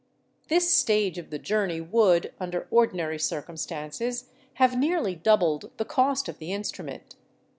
This stage of the journey would, under ordinary circumstances, have nearly doubled the cost of the instrument.